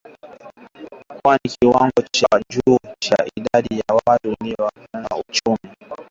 Kwani kiwango cha juu cha idadi ya watu kilichangia katika kupungua kwa ukuaji wa uchumi .